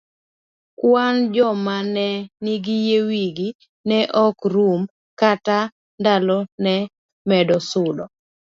Kwan joma ne nigi yie wigi ne ok rum kata ndalo ne medo sudo.